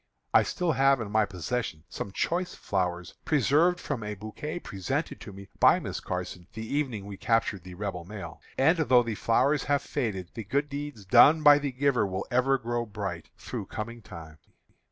I still have in my possession some choice flowers, preserved from a bouquet presented to me by Miss Carson the evening we captured the Rebel mail; and though the flowers have faded, the good deeds done by the giver will ever grow bright through coming time.